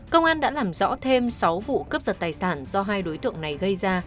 công an đã làm rõ thêm sáu vụ cấp giật tài sản do hai đối tượng này gây ra